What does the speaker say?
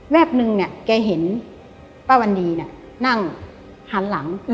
นึงเนี่ยแกเห็นป้าวันดีนั่งหันหลัง